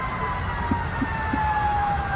Mi bia na ceih tik hna ah dingtein na ceih hna lai.